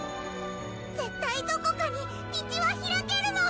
絶対どこかに道は開けるもん！